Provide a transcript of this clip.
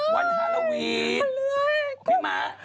วันฮาลาวีพี่มั๊ก